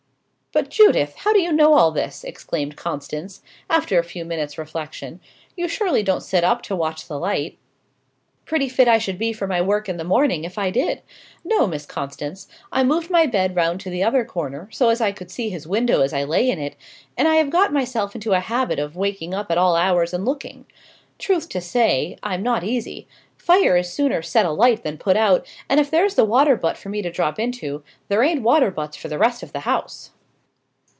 "But, Judith, how do you know all this?" exclaimed Constance, after a few minutes' reflection. "You surely don't sit up to watch the light?" "Pretty fit I should be for my work in the morning, if I did! No, Miss Constance. I moved my bed round to the other corner, so as I could see his window as I lay in it; and I have got myself into a habit of waking up at all hours and looking. Truth to say, I'm not easy: fire is sooner set alight than put out: and if there's the water butt for me to drop into, there ain't water butts for the rest of the house."